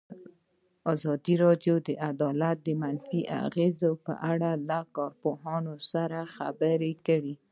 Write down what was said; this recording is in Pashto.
ازادي راډیو د عدالت د منفي اغېزو په اړه له کارپوهانو سره خبرې کړي.